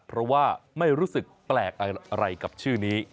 เพราะว่าไม่รู้สึกแปลกอะไรกับชื่อนี้